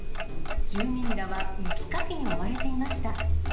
住民らは雪かきに追われていました。